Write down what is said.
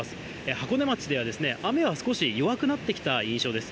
箱根町では雨は少し弱くなってきた印象です。